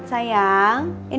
ardhani dia mampus kekuatan